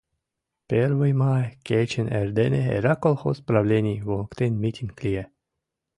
Первый май кечын эрдене эрак колхоз правлений воктен митинг лие.